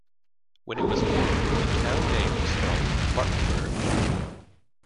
When it was formed the town name was spelled Martinsburgh.